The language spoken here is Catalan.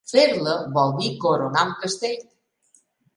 Fer-la vol dir coronar un castell.